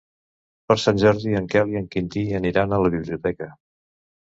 Per Sant Jordi en Quel i en Quintí aniran a la biblioteca.